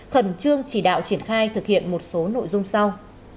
khẩn trương chỉ đạo triển khai thực hiện một số nội dung sau